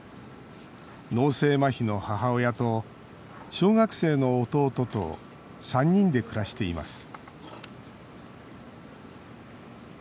脳性まひの母親と小学生の弟と３人で暮らしています